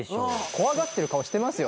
怖がってる顔してますよ。